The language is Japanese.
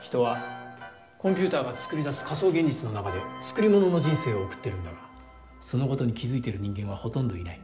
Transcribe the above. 人はコンピューターが作り出す仮想現実の中で作りものの人生を送っているんだがそのことに気付いている人間はほとんどいない。